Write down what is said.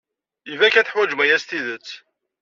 Iban kan teḥwajem aya s tidet.